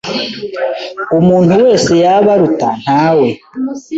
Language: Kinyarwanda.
Umuntu wese yaba aruta ntawe.